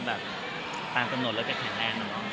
แบบตามกำหนดแล้วจะแข็งแรงเนอะ